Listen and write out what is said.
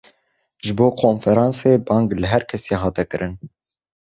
Ji bo konferansê, bang li herkesî hate kirin